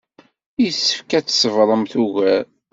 Yessefk ad tṣebremt ugar.